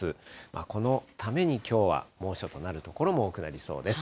このためにきょうは猛暑となる所も多くなりそうです。